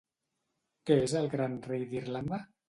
Què és el Gran rei d'Irlanda?